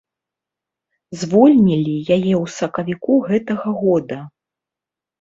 Звольнілі яе ў сакавіку гэтага года.